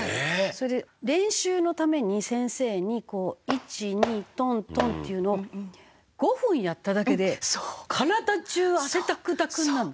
それで練習のために先生に１２トントンっていうのを５分やっただけで体中汗ダクダクになるの。